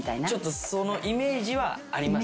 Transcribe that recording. そのイメージはありますよね。